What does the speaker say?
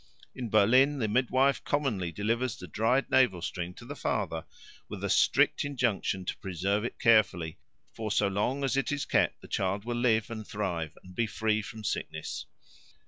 In Berlin the midwife commonly delivers the dried navel string to the father with a strict injunction to preserve it carefully, for so long as it is kept the child will live and thrive and be free from sickness.